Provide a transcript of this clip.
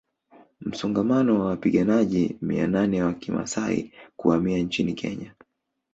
Msongamano wa wapiganaji mia nane wa Kimasai kuhamia nchini Kenya